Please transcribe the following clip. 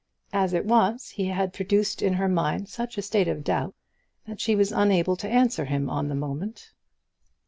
As it was he had produced in her mind such a state of doubt, that she was unable to answer him on the moment.